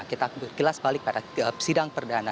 kita berkilas balik pada sidang perdana